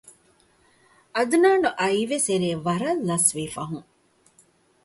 އަދުނާނު އައީވެސް އެރޭ ވަރަށް ލަސްވީ ފަހުން